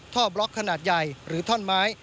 บล็อกขนาดใหญ่หรือท่อนไม้